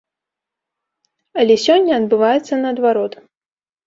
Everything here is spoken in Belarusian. Але сёння адбываецца наадварот.